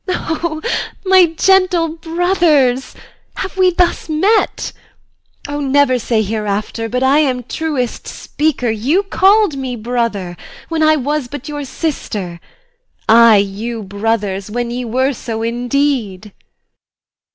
O my gentle brothers, Have we thus met? O, never say hereafter But I am truest speaker! You call'd me brother, When I was but your sister: I you brothers, When we were so indeed.